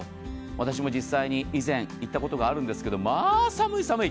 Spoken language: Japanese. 私も実際に以前、行ったことがあるんですけど、まあ寒い、寒い。